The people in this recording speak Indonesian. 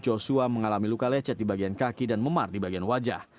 joshua mengalami luka lecet di bagian kaki dan memar di bagian wajah